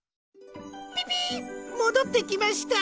ピピもどってきました。